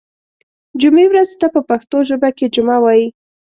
جمعې ورځې ته په پښتو ژبه کې جمعه وایی